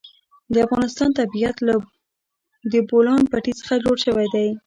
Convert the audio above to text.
د افغانستان طبیعت له د بولان پټي څخه جوړ شوی دی.